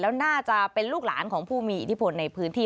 แล้วน่าจะเป็นลูกหลานของผู้มีอิทธิพลในพื้นที่